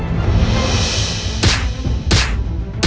aku ingin menerima keadaanmu